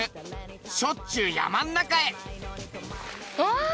しょっちゅう山の中へ。